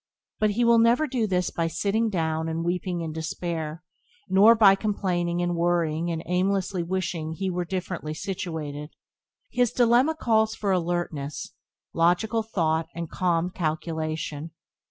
But he will never do this by sitting down and weeping in despair, nor by complaining and worrying and aimlessly wishing he were differently situated. His dilemma calls for alertness, logical thought, and calm calculation.